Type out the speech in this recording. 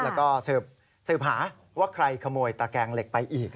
แล้วก็สืบหาว่าใครขโมยตะแกงเหล็กไปอีก